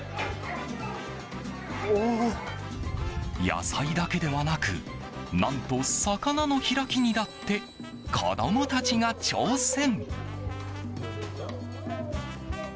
野菜だけではなく何と、魚の開きにだって子供たちが挑戦。